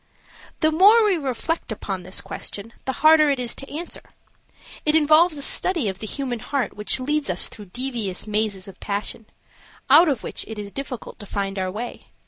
The more we reflect upon this question, the harder it is to answer. It involves a study of the human heart which leads us through devious mazes of passion, out of which it is difficult to find our way.